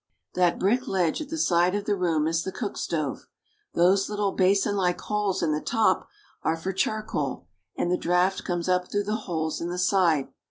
That brick ledge at the side of the room is the cook stove. Those little basinlike holes in the top are for char coal, and the draft comes up through the holes in the side.